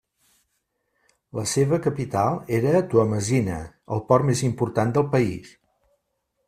La seva capital era Toamasina, el port més important del país.